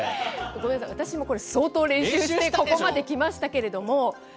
ごめんなさい、私もこれ、相当練習してここまできましたけれども。